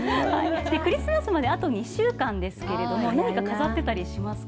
クリスマスまであと２週間ですけれども、何か飾ってたりしますか。